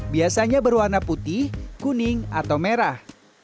biasanya berwarna putih kuning atau merah